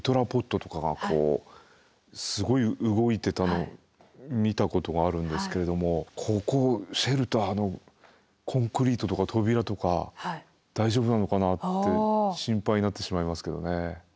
こうすごい動いてたのを見たことがあるんですけれどもここシェルターのコンクリートとか扉とか大丈夫なのかなって心配になってしまいますけどね。